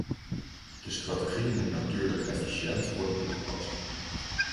De strategie moet natuurlijk efficiënt worden toegepast.